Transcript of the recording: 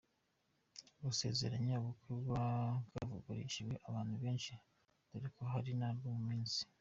gusezeranya ubukwe buba bwavugishije abantu benshi dore ko ari narwo mu minsi.